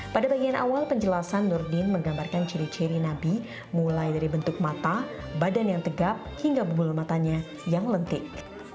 pada bagian awal penjelasan nurdin menggambarkan ciri ciri nabi mulai dari bentuk mata badan yang tegap hingga bumbu lematanya yang lentik